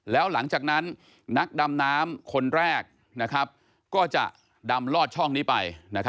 แล้วหลังจากนั้นนักดำน้ำคนแรกก็จะดำลอดช่องนี้ไป